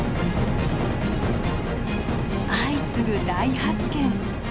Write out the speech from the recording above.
相次ぐ大発見。